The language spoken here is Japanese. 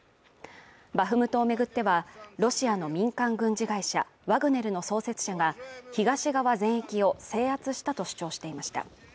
バフムトを巡ってはロシアの民間軍事会社ワグネルの創設者が東側全域を制圧したと主張していました。